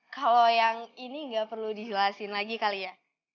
kalau yang ini gak perlu dihelasin lagi kali ya